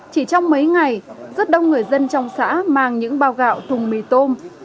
chỉ trong mấy ngày rất đông người dân trong xã mang những bao gạo thùng mì tôm